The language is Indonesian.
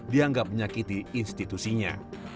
dianggap menyakiti institusinya